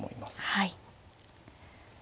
はい。